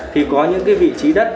thì có những vị trí đất